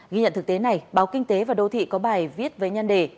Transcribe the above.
ghi nhận thực tế này báo kinh tế và đô thị có bài viết với nhân đề